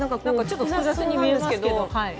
ちょっと複雑に見えますけどはい。